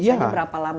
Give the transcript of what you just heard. bisa berapa lama